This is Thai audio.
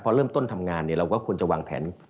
พอเริ่มต้นทำงานเราก็ควรจะวางแผน